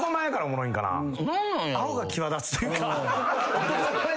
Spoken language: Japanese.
アホが際立つというか。